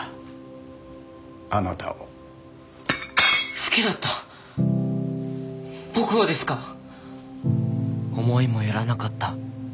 好きだった⁉僕をですか⁉思いも寄らなかった。